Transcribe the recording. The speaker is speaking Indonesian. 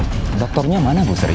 loh dokternya mana bu sri